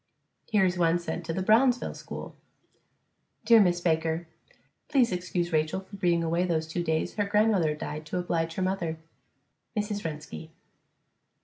Here is one sent to the Brownsville school: Dear Miss Baker: Please excuse Rachael for being away those two days her grandmother died to oblige her mother. MRS. RENSKI.